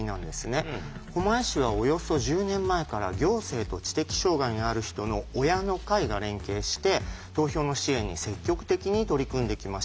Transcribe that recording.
狛江市はおよそ１０年前から行政と知的障害のある人の親の会が連携して投票の支援に積極的に取り組んできました。